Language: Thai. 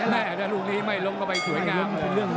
แม่ถ้าลูกนี้ไม่ล้มเข้าไปสวยงามเลย